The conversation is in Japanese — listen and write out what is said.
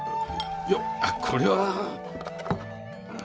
いやこれは。